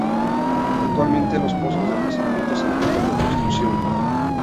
Actualmente, los pozos de almacenamiento se encuentran en construcción.